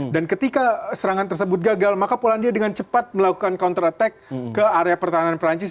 dan ketika serangan tersebut gagal maka polandia dengan cepat melakukan counter attack ke area pertahanan perancis